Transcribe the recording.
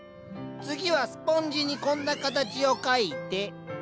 次はスポンジにこんな形を描いて。